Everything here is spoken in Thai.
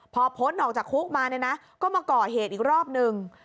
พอพ้นออกจากคุกมาเนี่ยนะก็มาก่อเหตุอีกรอบนึง